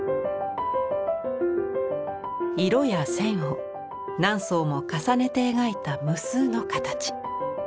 色や線を何層も重ねて描いた無数の形。